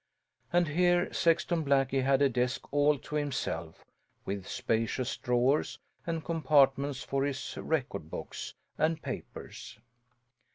And here Sexton Blackie had a desk all to himself, with spacious drawers and compartments for his record books and papers.